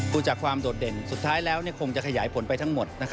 ดูจากความโดดเด่นสุดท้ายแล้วคงจะขยายผลไปทั้งหมด